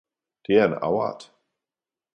Det er en afart!